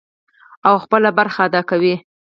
او خپله برخه ادا کوي.